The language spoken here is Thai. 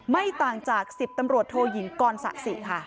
ไม่ต่างจาก๑๐ตำรวจโทยิงกรสะสิค่ะ